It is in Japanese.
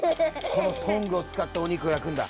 このトングをつかっておにくをやくんだ。